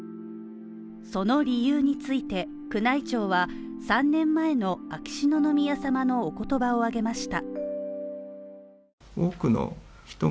その理由について、宮内庁は３年前の秋篠宮さまのお言葉を挙げました。